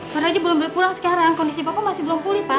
pak raja belum balik pulang sekarang kondisi papa masih belum pulih pak